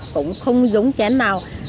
cũng không dùng chén nào